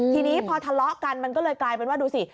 ทีนี้พอทะเลาะกันมันก็เลยกลายเป็นว่าดูสิ